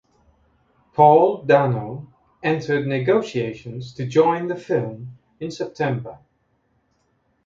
Paul Dano entered negotiations to join the film in September.